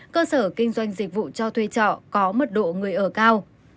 cơ sở kinh doanh dịch vụ cho thuê trọ có mật độ người ở cao